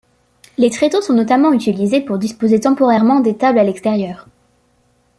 Les tréteaux sont notamment utilisés pour disposer temporairement des tables à l'extérieur.